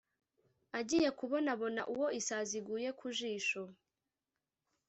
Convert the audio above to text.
agiye kubona abona uwo isazi iguye ku jisho,